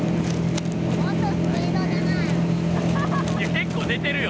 結構出てるよ